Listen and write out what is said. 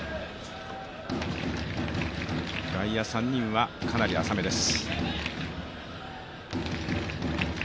外野３人はかなり浅めです。